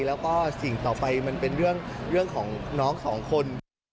แล้วก็สิ่งต่อไปมันเป็นเรื่องของน้องสองคน